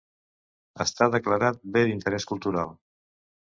Està declarat Bé d'interès cultural.